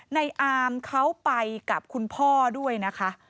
ในอามเขาไปกับคุณพ่อด้วยนะคะ